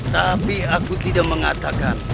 tapi aku tidak mengatakan